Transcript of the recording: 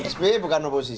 sby bukan oposisi